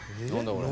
これ。